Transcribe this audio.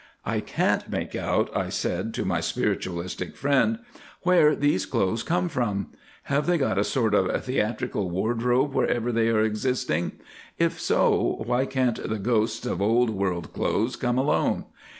"I can't make out," I said to my spiritualistic friend, "where these clothes come from. Have they got a sort of theatrical wardrobe wherever they are existing? If so, why can't the ghosts of old world clothes come alone?